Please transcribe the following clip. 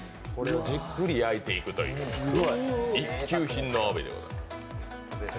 じっくり焼いていくという一級品のあわびでございます。